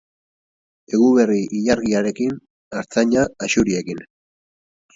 Eguberri ilargiarekin, artzaina axuriekin.